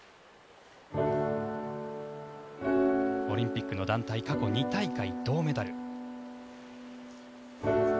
オリンピックの団体過去２大会銅メダル。